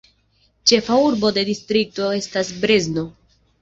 Ĉefa urbo de distrikto estas Brezno.